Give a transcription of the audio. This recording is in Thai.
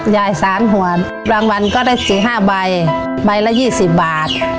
ยาย๓หัวบางวันก็ได้๔๕ใบใบละ๒๐บาท